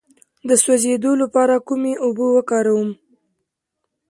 د سوځیدو لپاره کومې اوبه وکاروم؟